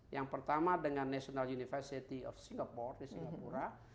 yang pertama dengan national university of singapore di singapura